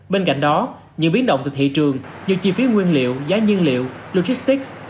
bên cạnh đó nhiều biến động từ thị trường như chi phí nguyên liệu giá nhân liệu logistics